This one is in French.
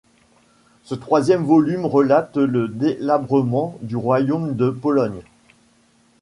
Ce troisième volume relate le délabrement du royaume de Pologne.